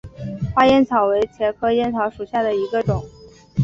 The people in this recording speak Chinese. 花烟草为茄科烟草属下的一个种。